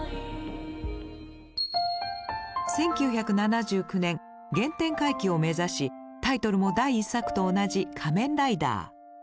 １９７９年原点回帰を目指しタイトルも第１作と同じ「仮面ライダー」。